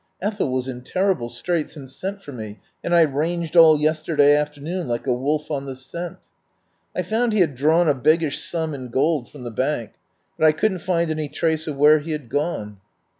Ethel was in terrible straits, and sent for me, and I ranged all yes terday afternoon like a wolf on the scent. I found he had drawn a biggish sum in gold from the bank, but I couldn't find any trace of where he had gone.